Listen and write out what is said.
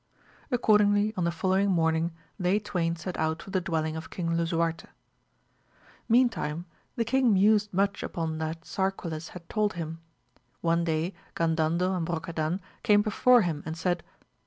Accordingly on the following morn ing they twain set out for the dwelling of King Lisuarte. Meantime the king mused much upon that Sarquiles had told him. One day Gandandel and Brocadan came before him and said.